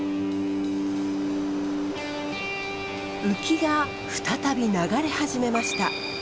ウキが再び流れ始めました。